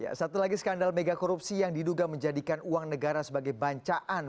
ya satu lagi skandal mega korupsi yang diduga menjadikan uang negara sebagai bancaan